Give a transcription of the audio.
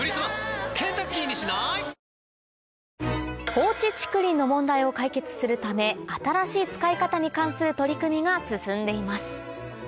放置竹林の問題を解決するため新しい使い方に関する取り組みが進んでいます